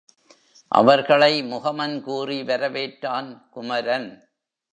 அவர்களை முகமன் கூறி வரவேற்றான் குமரன்.